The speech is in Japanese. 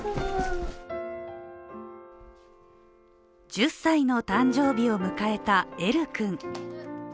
１０歳の誕生日を迎えたエル君。